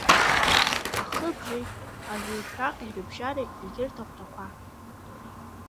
Ахыбжеи ажәыҩшәаҟьеи рыбжьара егьырҭ ахәҭақәа.